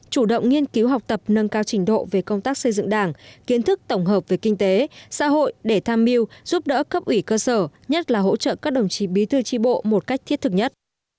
chủ động nghiên cứu học tập nâng cao trình độ về công tác xây dựng đảng kiến thức tổng hợp về kinh tế xã hội để tham mưu giúp đỡ cấp ủy cơ sở nhất là hỗ trợ các đồng chí bí thư tri bộ một cách thiết thực nhất